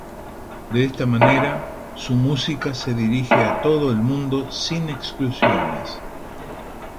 De esta manera, su música se dirige a todo el mundo sin exclusiones.